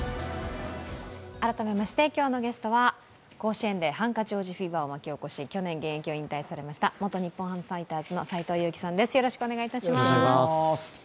改めまして今日のゲストは甲子園でハンカチ王子フィーバーを巻き起こし去年、現役を引退されました元日本ハムファイターズの斎藤佑樹さんです。